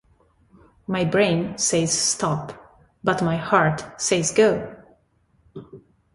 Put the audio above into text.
My Brain Says Stop, But My Heart Says Go!